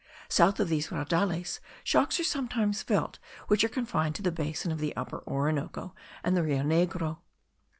South of these Raudales shocks are sometimes felt, which are confined to the basin of the Upper Orinoco and the Rio Negro.